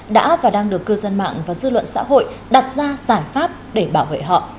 đã và đang được cư dân mạng và dư luận xã hội đặt ra giải pháp để bảo vệ họ